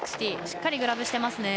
しっかりグラブしてます。